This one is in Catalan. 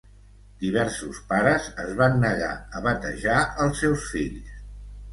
Diversos pares es van negar a batejar els seus fills.